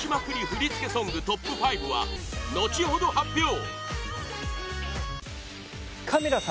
振付ソングトップ５は後ほど発表